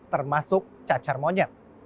termasuk cacar monyet